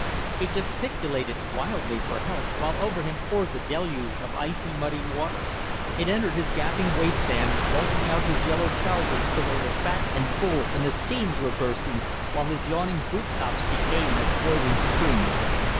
He gesticulated wildly for help, while over him poured the deluge of icy, muddy water. It entered his gaping waistband, bulging out his yellow trousers till they were fat and full and the seams were bursting, while his yawning boot tops became as boiling springs.